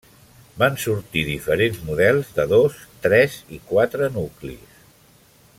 Van sortir diferents models, de dos, tres i quatre nuclis.